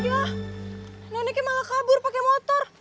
wah neneknya malah kabur pakai motor